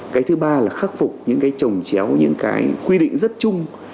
cái thứ ba là khắc phục những cái trồng chéo những cái quy định rất chung